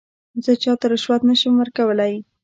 زه چاته رشوت نه شم ورکولای.